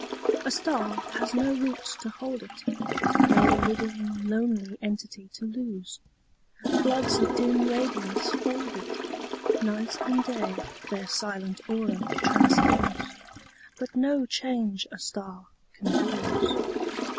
A star has do roots to hold it, No living lonely entity to lose. Floods of dim radiance fold it ; Night and day their silent aura transfuse, But no change a star oan bruise.